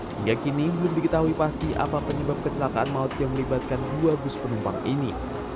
hingga kini belum diketahui pasti apa penyebab kecelakaan maut yang melibatkan dua bus penumpang ini